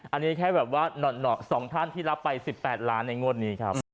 อันนี้แค่แบบว่า๒ท่านที่รับไป๑๘ล้านในงวดนี้ครับ